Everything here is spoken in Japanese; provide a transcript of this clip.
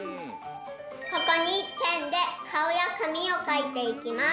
ここにペンでかおやかみをかいていきます。